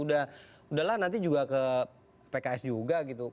udah lah nanti juga ke pks juga gitu